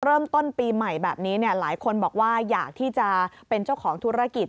เริ่มต้นปีใหม่แบบนี้หลายคนบอกว่าอยากที่จะเป็นเจ้าของธุรกิจ